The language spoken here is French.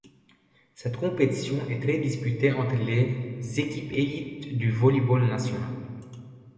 Cette compétition est très disputée entre les équipes élites du volley-ball national.